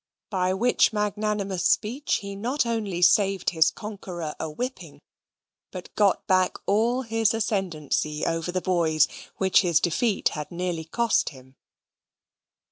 By which magnanimous speech he not only saved his conqueror a whipping, but got back all his ascendancy over the boys which his defeat had nearly cost him.